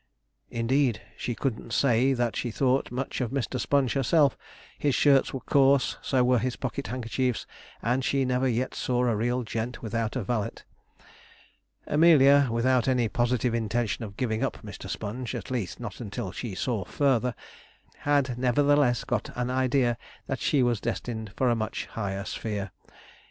'Indeed, she couldn't say that she thought much of Mr. Sponge herself; his shirts were coarse, so were his pocket handkerchiefs; and she never yet saw a real gent without a valet.' Amelia, without any positive intention of giving up Mr. Sponge, at least not until she saw further, had nevertheless got an idea that she was destined for a much higher sphere.